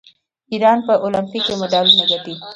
ایران په المپیک کې مډالونه ګټي.